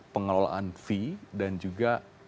pengelolaan fee dan juga